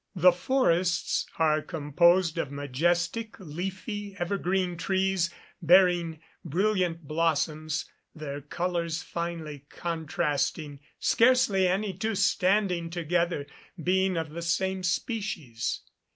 The forests are composed of majestic leafy evergreen trees bearing brilliant blossoms, their colours finely contrasting, scarcely any two standing together being of the same species.